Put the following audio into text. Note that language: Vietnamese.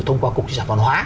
thông qua cục chỉ sản văn hóa